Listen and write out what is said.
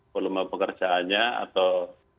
volume pekerjaannya atau